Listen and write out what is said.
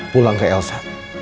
pulang ke elsa